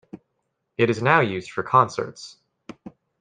It is now used for concerts.